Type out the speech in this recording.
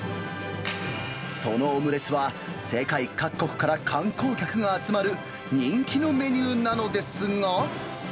そのオムレツは、世界各国から観光客が集まる人気のメニューなのですが。